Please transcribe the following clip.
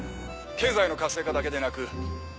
経済の活性化だけでなくアジア